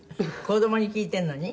子供に聞いているのに？